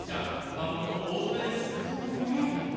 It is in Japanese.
番組も、もう大詰めです。